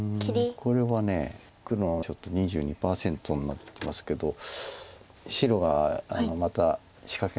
これは黒がちょっと２２％になってますけど白がまた仕掛けましたよね。